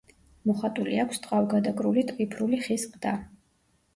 მოხატული აქვს ტყავგადაკრული ტვიფრული ხის ყდა.